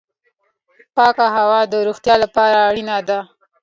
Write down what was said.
پاکه هوا د روغتیا لپاره اړینه ده